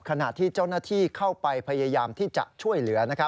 ขณะที่เจ้าหน้าที่เข้าไปพยายามที่จะช่วยเหลือ